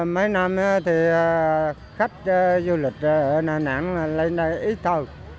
mấy năm thì khách du lịch ở đà nẵng lên đây ít thôi